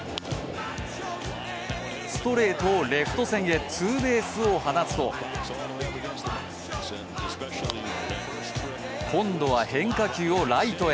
ストレートをレフト線へツーベースを放つと今度は変化球をライトへ。